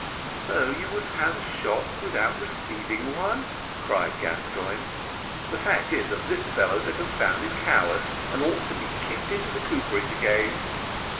"So you would have a shot without receiving one," cried Gascoigne: "the fact is, that this fellow's a confounded coward, and ought to be kicked into the cooperage again."